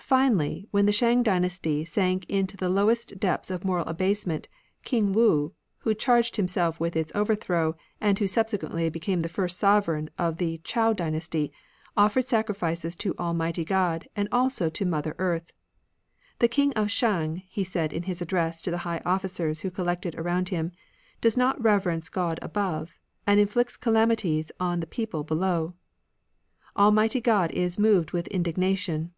Finally, when the Shang dynasty abasement. King Wu, who charged himself with its overthrow, and who subse quently became the first sovereign of the Chou dynasty, offered sacrifices to Almighty God, and also to Mother Earth. " The King of Shang,'* he said in his address to the high officers who collected around him, " does not reverence God above, and inflicts calamities on the people below. Almighty God is moved with indignation."